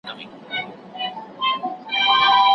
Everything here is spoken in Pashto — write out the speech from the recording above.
زما به سترګي کله روڼي پر مېله د شالمار کې